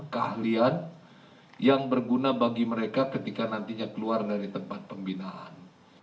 keahlian yang berguna bagi mereka ketika nantinya keluar dari tempat pembinaan